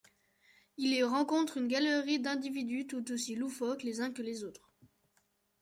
Il y rencontre une galerie d'individus tous aussi loufoques les uns que les autres.